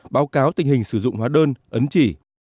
báo cáo tình hình sử dụng hóa đơn ấn chỉ